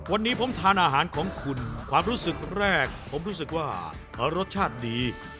วันนี้ผมทานอาหารของคุณความรู้สึกแรกผมรู้สึกว่าเขารสชาติดี